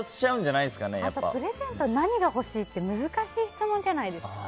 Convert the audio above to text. プレゼント何が欲しい？って難しい質問じゃないですか。